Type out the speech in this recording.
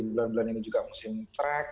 bulan bulan ini juga musim track